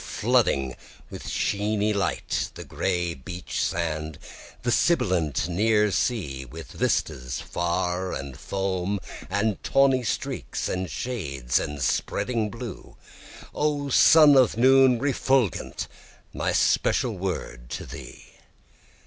Flooding with sheeny light the gray beach sand, The sibilant near sea with vistas far and foam, And tawny streaks and shades and spreading blue; O sun of noon refulgent! my special word to thee.